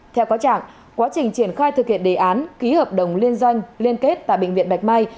theo có trạng quá trình triển khai thực hiện đề án ký hợp đồng liên doanh liên kết tại bệnh viện bạch mai